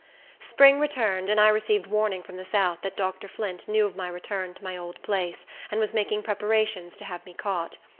Spring returned, and I received warning from the south that Dr. Flint knew of my return to my old place, and was making preparations to have me caught.